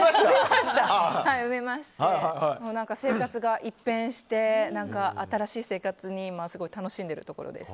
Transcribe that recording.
生活が一変して、新しい生活を今、楽しんでいるところです。